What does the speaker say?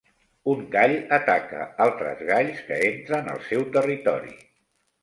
Un gall ataca altres galls que entren al seu territori.